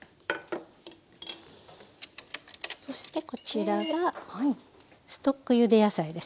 そしてこちらがストックゆで野菜ですね。